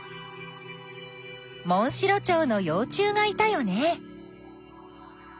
モンシロチョウのよう虫がいたよね。